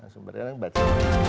sumpah kalian baca